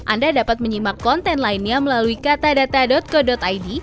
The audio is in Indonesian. anda dapat menyimak konten lainnya melalui katadata co id